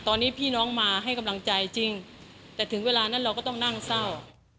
ตอนนี้พี่น้องมาให้กำลังใจจริงแต่ถึงเวลานั้นเราก็ต้องนั่งเศร้า